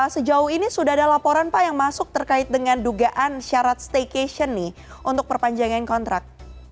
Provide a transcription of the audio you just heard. sejauh ini sudah ada laporan pak yang masuk terkait dengan dugaan syarat staycation nih untuk perpanjangan kontrak